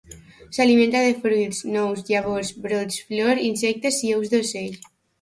S'alimenta de fruits, nous, llavors, brots, flor, insectes i ous d'ocell.